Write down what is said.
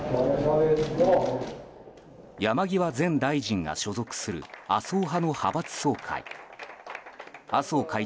山際前大臣が所属する麻生派の派閥総会。